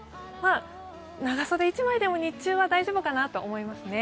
長袖１枚でも日中は大丈夫かなと思いますね。